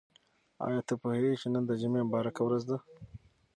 آیا ته پوهېږې چې نن د جمعې مبارکه ورځ ده؟